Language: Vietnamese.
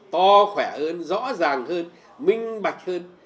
to khỏe hơn rõ ràng hơn minh bạch hơn